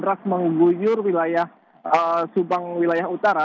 truk mengguyur wilayah subang wilayah utara